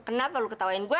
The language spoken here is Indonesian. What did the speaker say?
kenapa lo ketawain gue